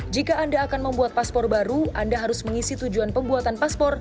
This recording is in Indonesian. jika anda akan membuat paspor baru anda harus mengisi tujuan pembuatan paspor